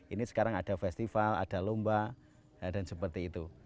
ini sekarang ada festival ada lomba dan seperti itu